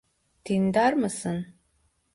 Dindar mısın?